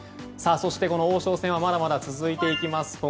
そして、王将戦はまだまだ続いていきます。